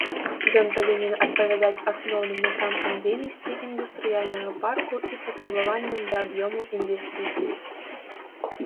Ён павінен адпавядаць асноўным напрамкам дзейнасці індустрыяльнага парку і патрабаванням да аб'ёму інвестыцый.